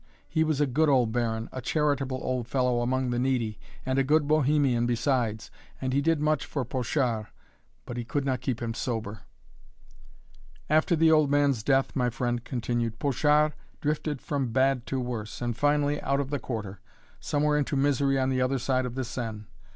He was a good old Baron, a charitable old fellow among the needy, and a good bohemian besides; and he did much for Pochard, but he could not keep him sober!" [Illustration: BOUGUEREAU AT WORK] "After the old man's death," my friend continued, "Pochard drifted from bad to worse, and finally out of the Quarter, somewhere into misery on the other side of the Seine.